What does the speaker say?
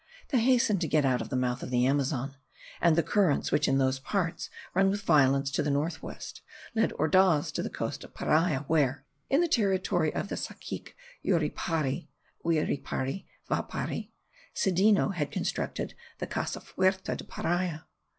They hastened to get out of the mouth of the Amazon; and the currents, which in those parts run with violence to the north west, led Ordaz to the coast of Paria where, in the territory of the cacique Yuripari (Uriapari, Viapari), Sedeno had constructed the Casa fuerte de Paria.